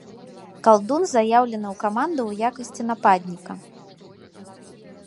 Калдун заяўлены ў каманду ў якасці нападніка.